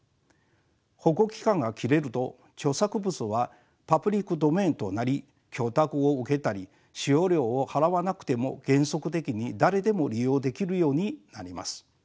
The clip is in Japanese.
保護期間が切れると著作物はパブリック・ドメインとなり許諾を受けたり使用料を払わなくても原則的に誰でも利用できるようになります。